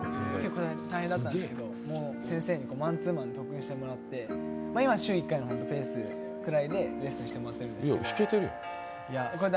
大変だったんですけど、先生にマンツーマンで特訓してもらって今週１回のペースぐらいでレッスンしてもらってるんですけど弾けてるやん。